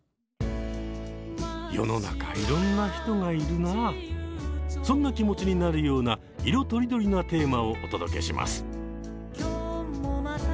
世の中そんな気持ちになるような色とりどりなテーマをお届けします。